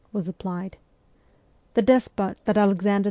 was applied. The despot that Alex ander II.